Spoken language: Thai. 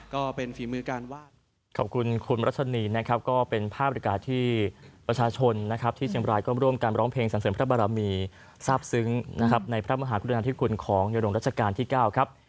ก็เป็นฝีมือการว่า